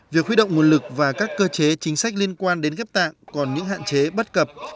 việc khuy động nguồn lực và các cơ chế chính sách liên quan đến ghép tạng còn những hạn chế bất cập